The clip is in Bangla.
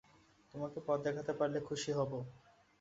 তোমাকে পথ দেখাতে পারলে খুশি হব।